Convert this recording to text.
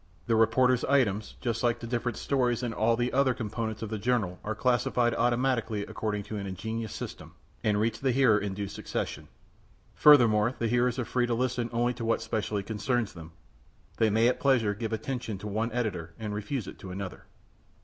The reporters' items, just like the different stories and all the other component parts of the journal, are classified automatically according to an ingenious system, and reach the hearer in due succession. Furthermore, the hearers are free to listen only to what specially concerns them. They may at pleasure give attention to one editor and refuse it to another.